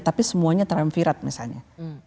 tapi semuanya teremfirat misalnya